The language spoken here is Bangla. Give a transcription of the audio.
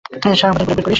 সাবধানে বুলেট বের করিস।